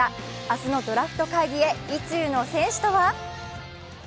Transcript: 明日のドラフト会議へ意中の選手とは？